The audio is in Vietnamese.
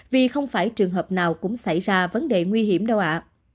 vì không phải trường hợp nào cũng xảy ra vấn đề nguy hiểm đâu ạ